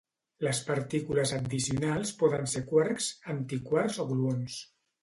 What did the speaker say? Les partícules addicionals poden ser quarks, antiquarks o gluons.